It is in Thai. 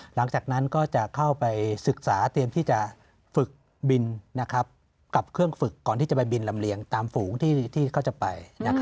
หลังจากนั้นก็จะเข้าไปศึกษาเตรียมที่จะฝึกบินกับเครื่องฝึกก่อนที่จะไปบินลำเลียงตามฝูงที่เขาจะไป